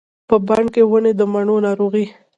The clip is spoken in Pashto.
په بڼ کې ونې د مڼو، ناروغې